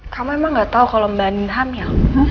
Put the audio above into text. kamu emang gak tau kalo mba andin hamil